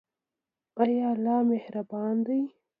ایا الله مهربان دی؟